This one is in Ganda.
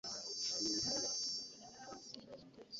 Mulabe bwe yebaka nga eyajizimba .